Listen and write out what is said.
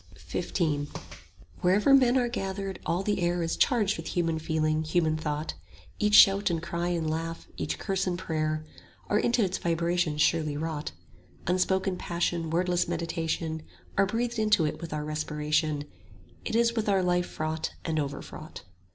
90 XV Wherever men are gathered, all the air Is charged with human feeling, human thought; Each shout and cry and laugh, each curse and prayer, Are into its vibrations surely wrought; Unspoken passion, wordless meditation, 5 Are breathed into it with our respiration It is with our life fraught and overfraught.